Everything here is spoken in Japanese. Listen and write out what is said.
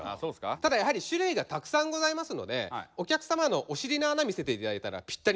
ただやはり種類がたくさんございますのでお客様のお尻の穴見せて頂いたらぴったりのをご案内できます。